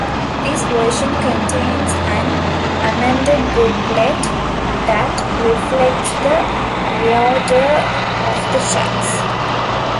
This version contains an amended booklet that reflects the reorder of the tracks.